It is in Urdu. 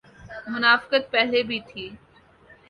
منافقت پہلے بھی تھی۔